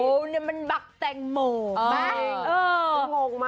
โอ้นี่มันบักแต่งโหม